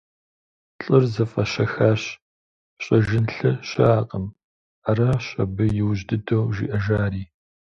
Лӏыр зэфӏэщэхащ, «Фщӏэжын лъы щыӏэкъым», — аращ абы иужь дыдэу жиӏэжари.